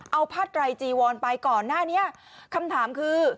เอาผ้าไตรจีวอนไปก่อนหน้านี้คำถามคือ